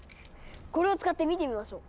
これを使って見てみましょう！